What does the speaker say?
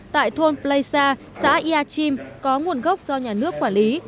tại thôn pleisa xã iachim có nguồn gốc do nhà nước quản lý